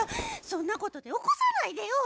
そんなことで起こさないでよ！